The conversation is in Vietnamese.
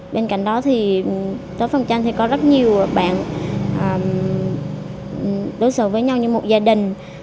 bên cạnh đó thì tới phòng tranh thì có rất nhiều bạn đối xử với nhau như một gia đình